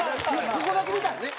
ここだけ見たらね